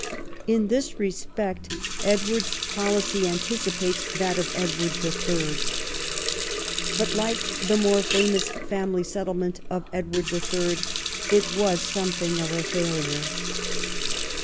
In this respect Edward's policy anticipates that of Edward III. But like the more famous family settle ment of Edward III. it was something of a failure.